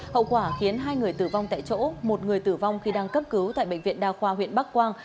hậu quả khiến hai người tử vong tại chỗ một người tử vong khi đang cấp cứu tại bệnh viện đa khoa huyện bắc quang